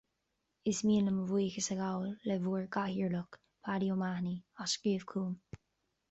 Is mian liom mo bhuíochas a ghabháil le bhur gCathaoirleach, Paddy O'Mahony, as scríobh chugam